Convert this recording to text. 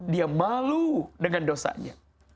dia malu dengan dosanya